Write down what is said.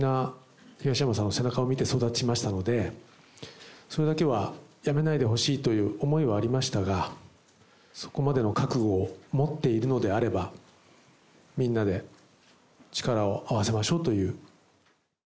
みんな、東山さんの背中を見て育ちましたので、それだけは辞めないでほしいという思いはありましたが、そこまでの覚悟を持っているのであれば、みんなで力を合わせましょうという。